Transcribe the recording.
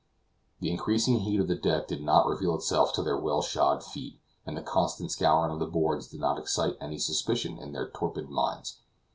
The increasing heat of the deck did not reveal itself to their well shod feet, and the constant scouring of the boards did not excite any suspicion in their torpid minds.